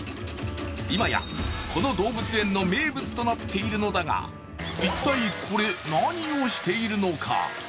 今やこの動物園の名物となっているのだが、一体これ、何をしているのか。